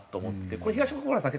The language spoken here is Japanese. これ東国原さん